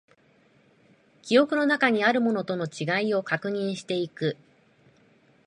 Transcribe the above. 記憶の中にあるものとの違いを確認していく